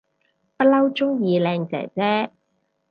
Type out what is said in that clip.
不嬲鍾意靚姐姐